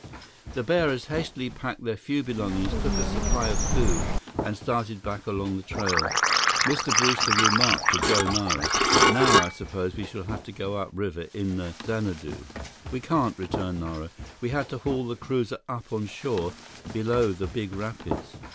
The bearers hastily packed their few belongings, took a supply of food, and started back along the trail. Mr. Brewster remarked to Joe Nara, "Now I suppose we shall have to go upriver in the Xanadu." "We can't," returned Nara. "We had to haul the cruiser up on shore below the big rapids.